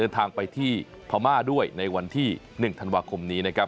เดินทางไปที่พม่าด้วยในวันที่๑ธันวาคมนี้นะครับ